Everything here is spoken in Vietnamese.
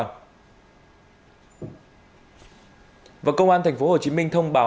công an tp hcm thông báo ai là nạn nhân của khanh và phan đến phòng cảnh sát hình sự số bốn trăm năm mươi chín đường trần hưng đạo